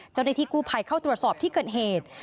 เจ้าหน้าที่กู้ภัยเข้าตรวจสอบที่เกิดเหตุ